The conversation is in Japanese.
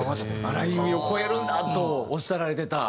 「荒井由実を超えるんだ」とおっしゃられてた。